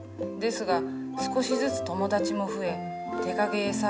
ですが少しずつ友達も増え手影絵